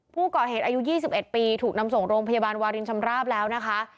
ผู้ก่อเหตุอายุ๒๑ปีถูกนำส่งโรงพยาบาลวารินชำราบแล้วนะคะ